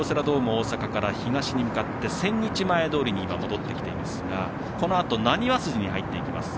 大阪から東に向かって、千日前通に今、戻ってきていますがこのあとなにわ筋に入っていきます。